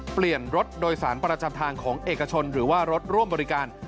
เปลี่ยนรถโดยสารประจำทางของเอกชนหรือว่ารถร่วมบริการ